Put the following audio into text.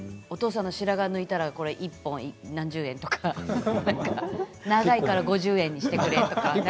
お父さんの白髪を抜いたら１本何十円とか長いから５０円にしてくれとか。